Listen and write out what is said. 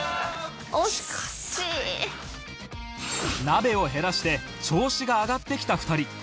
鍋を減らして調子が上がってきた２人